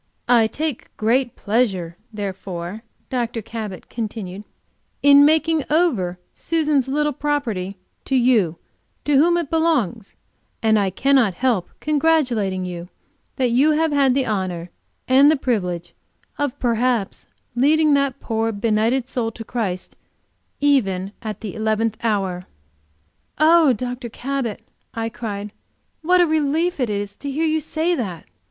"I take great pleasure, therefore," Dr. Cabot continued, "in making over Susan's little property to you, to whom it belongs; and I cannot help congratulating you that you have had the honor and the privilege of perhaps leading that poor, benighted soul to Christ, even at the eleventh hour." "Oh, Dr. Cabot," I cried, "what a relief it is to hear you say that!